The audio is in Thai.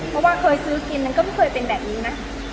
เวลาซื้อกินเป็นแบบนี้นะ